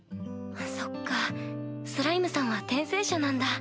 そっかスライムさんは転生者なんだ。